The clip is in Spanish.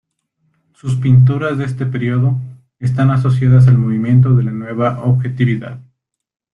Sus pinturas de este periodo están asociadas al movimiento de la Nueva objetividad.